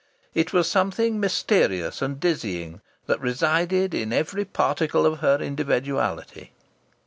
It was something mysterious and dizzying that resided in every particle of her individuality.